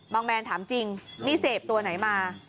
แมนถามจริงนี่เสพตัวไหนมา